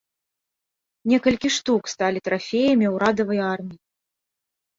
Некалькі штук сталі трафеямі ўрадавай арміі.